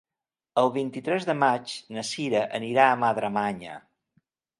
El vint-i-tres de maig na Sira anirà a Madremanya.